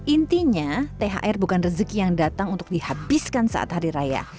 intinya thr bukan rezeki yang datang untuk dihabiskan saat hari raya